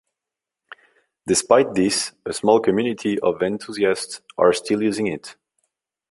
Despite this, a small community of enthusiasts are still using it.